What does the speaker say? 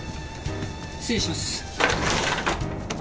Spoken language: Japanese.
失礼します。